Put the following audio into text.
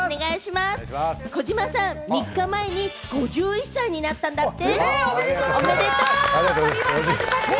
児嶋さん、３日前に５１歳になったんだって？